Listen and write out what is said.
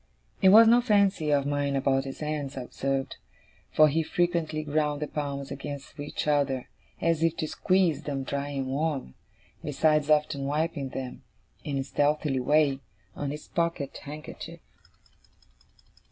It was no fancy of mine about his hands, I observed; for he frequently ground the palms against each other as if to squeeze them dry and warm, besides often wiping them, in a stealthy way, on his pocket handkerchief.